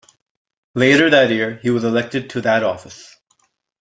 Later that year, he was elected to that office.